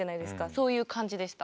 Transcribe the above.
そういう感じでした。